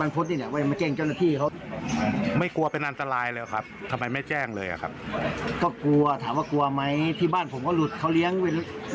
อันนี้จอดละคร่ามไม่ใช่จิ้งจกอะครับ